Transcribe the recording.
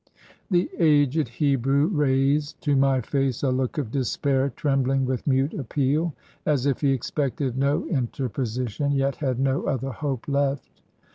The aged Hebrew raised to my face a look of despair trembling with mute appeal, as if he expected no inter position, yet had no other hope left.